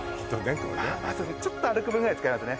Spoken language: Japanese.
これちょっと歩く分ぐらい使いますね